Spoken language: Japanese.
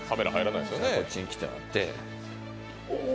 こっちに来てもらっておぉ！